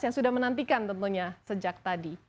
yang sudah menantikan tentunya sejak tadi